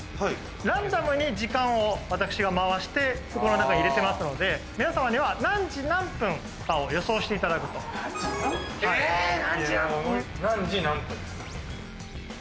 ランダムに時間を私が回して袋の中に入れてますので皆さまには何時何分かを予想していただくとえ何時何分？